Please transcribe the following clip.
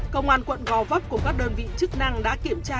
công an quận gò vấp cùng các đơn vị chức năng đã kiểm tra